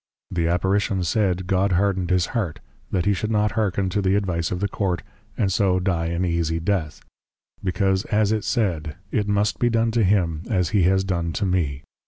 _ The Apparition said, God Hardned his heart; that he should not hearken to the Advice of the Court, and so Dy an easy Death; because as it said, _It must be done to him as he has done to me.